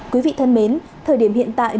quý vị thân mến thời điểm hiện tại